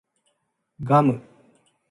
ガム